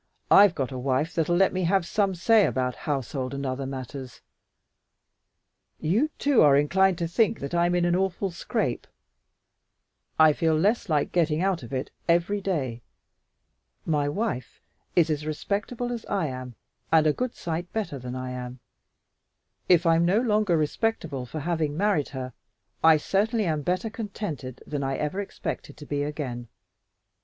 I've got a wife that'll let me have some say about household and all other matters. You, too, are inclined to think that I'm in an awful scrape. I feel less like getting out of it every day. My wife is as respectable as I am and a good sight better than I am. If I'm no longer respectable for having married her, I certainly am better contented than I ever expected to be again.